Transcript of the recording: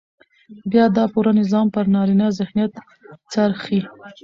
بيا دا پوره نظام پر نارينه ذهنيت څرخي.